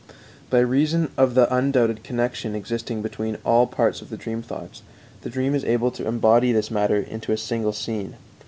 By reason of the undoubted connection existing between all the parts of dream thoughts, the dream is able to embody this matter into a single scene.